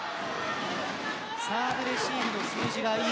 サーブレシーブの数字がいい